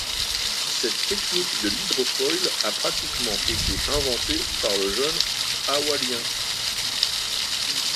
Cette technique de l'hydrofoil a pratiquement été inventée par le jeune hawaiien.